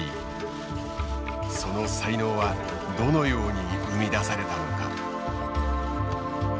その才能はどのように生み出されたのか。